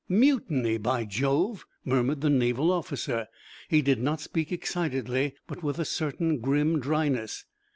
"Mutiny, by Jove!" murmured the Naval officer. He did not speak excitedly, but with a certain grim dryness.